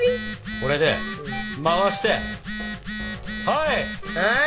これで回してはい！